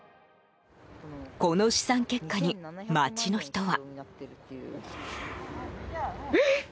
この試算結果に、街の人は。